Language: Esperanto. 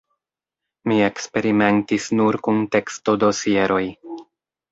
Mi eksperimentis nur kun tekstodosieroj.